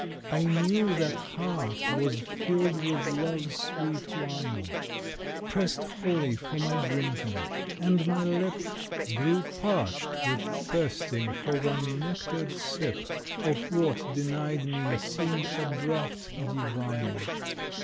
I knew that heart was filled with Love's sweet wine, Pressed wholly for my drinking. And my lip Grew parched with thirsting for one nectared sip Of what, denied me, seemed a draught divine.